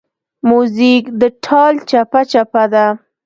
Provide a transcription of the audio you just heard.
موزیک د ټال چپهچپه ده.